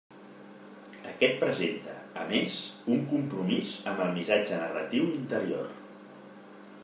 Aquest presenta, a més, un compromís amb el missatge narratiu interior.